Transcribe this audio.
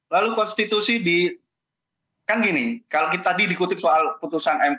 lalu konstitusi di kan gini kalau tadi dikutip soal keputusan mk satu ratus empat puluh satu